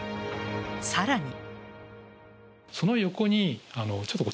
さらに。